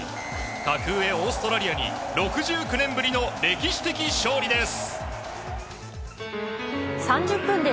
格上オーストラリアに６９年ぶりの歴史的勝利です。